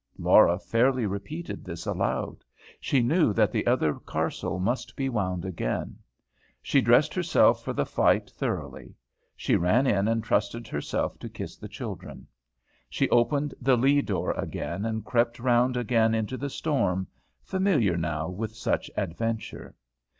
Laura fairly repeated this aloud. She knew that the other carcel must be wound again. She dressed herself for the fight thoroughly. She ran in and trusted herself to kiss the children. She opened the lee door again, and crept round again into the storm, familiar now with such adventure.